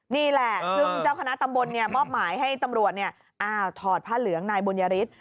นี่แหละซึ่งเจ้าคณะตำบลมอบหมายให้ตำรวจถอดผ้าเหลืองนายบุญยฤทธิ์